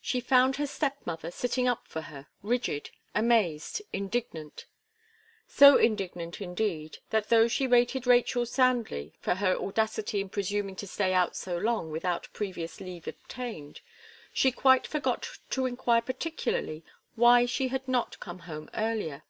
She found her step mother sitting up for her, rigid, amazed y indignant so indignant, indeed, that though she rated Rachel soundly for her audacity in presuming to stay out so long without previous leave obtained, she quite forgot to inquire particularly why she had not come home earlier.